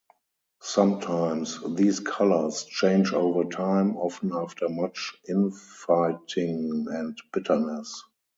Sometimes these colours change over time, often after much in-fighting and bitterness.